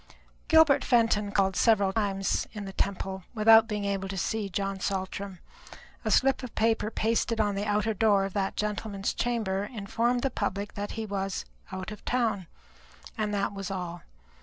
Gilbert Fenton called several times in the Temple without being able to see John Saltram; a slip of paper pasted on the outer door of that gentleman's chamber informed the public that he was "out of town," and that was all.